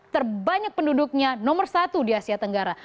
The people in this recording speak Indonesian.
terbanyak penduduknya nomor satu di asia tenggara